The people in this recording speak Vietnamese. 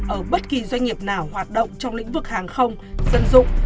ở bất kỳ doanh nghiệp nào hoạt động trong lĩnh vực hàng không dân dụng